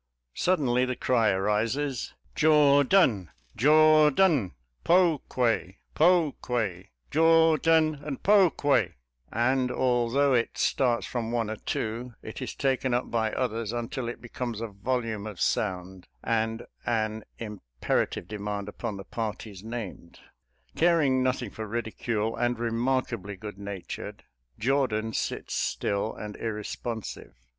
Suddenly the cry arises, " Jordan ! Jordan ! Pokue ! Pokue ! Jordan and Pokue !" and, although it starts from one or two, it is taken up by others, until it becomes a volume of sound and an im perative demand upon the parties named. Car FUN IN THE TRENCHES 243 ing nothing for ridicule, and remarkably good natured, Jordan sits still and irresponsive.